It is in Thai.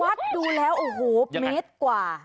ดูแล้วโอ้โหเมตรกว่า